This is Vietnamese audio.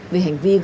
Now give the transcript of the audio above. về hành vi gây dụng